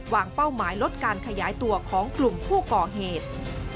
เป้าหมายลดการขยายตัวของกลุ่มผู้ก่อเหตุ